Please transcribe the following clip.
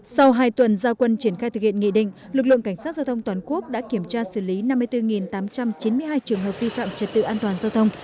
sau hai tuần giao quân triển khai thực hiện nghị định lực lượng cảnh sát giao thông toàn quốc đã kiểm tra xử lý năm mươi bốn tám trăm chín mươi hai trường hợp vi phạm trật tự an toàn giao thông